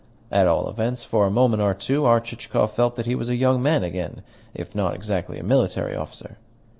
At all events, for a moment or two our Chichikov felt that he was a young man again, if not exactly a military officer.